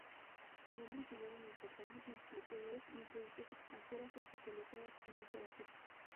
Su nombre figura en importantes enciclopedias, y en revistas extranjeras, especializadas en literatura.